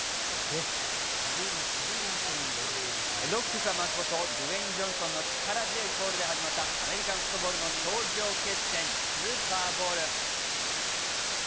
ロック様こと、ドウェイン・ジョンソンの力強いコールで始まったアメリカンフットボールの頂上決戦、スーパーボウル。